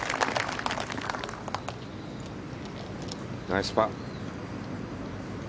ナイスパー。